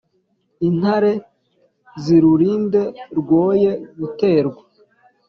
intare zirurinde rwoye guterwa